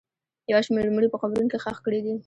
یو شمېر مړي په قبرونو کې ښخ کړي دي